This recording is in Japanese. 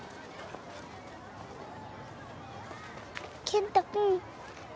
健太君。